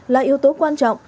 là yếu tố quan trọng